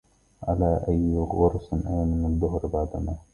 على أي غرس آمن الدهر بعدما